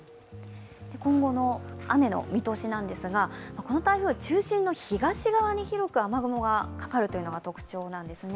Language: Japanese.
今後の雨の見通しなんですが、この台風、中心の東側に広く雨雲がかかるというのが特徴なんですね。